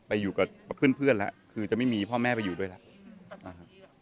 อยู่กับเพื่อนแล้วคือจะไม่มีพ่อแม่ไปอยู่ด้วยแล้วนะครับ